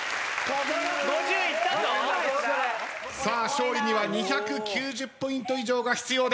勝利には２９０ポイント以上が必要です。